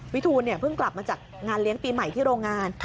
ทูลเพิ่งกลับมาจากงานเลี้ยงปีใหม่ที่โรงงาน